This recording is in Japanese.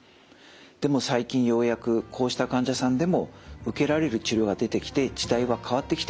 でも最近ようやくこうした患者さんでも受けられる治療が出てきて時代は変わってきています。